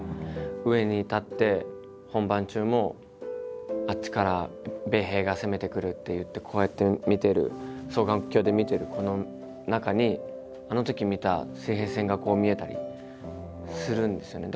上に立って本番中もあっちから米兵が攻めてくるっていってこうやって見てる双眼鏡で見てるこの中にあのとき見た水平線がこう見えたりするんですよね。